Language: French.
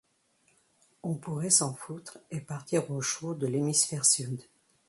On pourrait s’en foutre et partir au chaud de l’hémisphère sud.